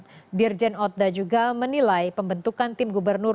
dirjen otonomi daerah soni sumarsono juga menilai pembentukan tim gubernur